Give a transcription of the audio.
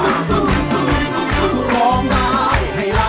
เนี่ย